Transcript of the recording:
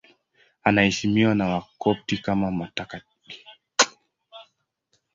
Anaheshimiwa na Wakopti kama mtakatifu.